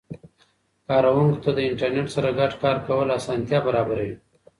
کاروونکو ته د انټرنیټ سره ګډ کار کول اسانتیا برابر وي.